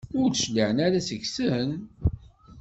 Ur d-cliɛen ara seg-sen?